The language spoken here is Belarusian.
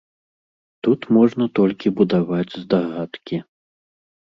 Тут можна толькі будаваць здагадкі.